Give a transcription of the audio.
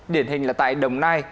điển hình là tại đồng nai